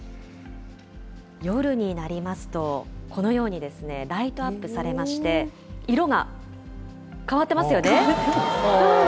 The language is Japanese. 夜になりますと、このようにライトアップされまして、色が変わってますよね。